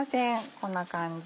こんな感じ。